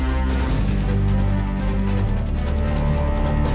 beh sobat berusaha